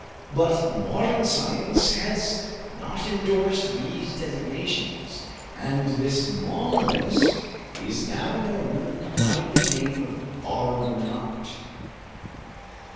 But modern science has not endorsed these designations, and this mollusk is now known by the name argonaut.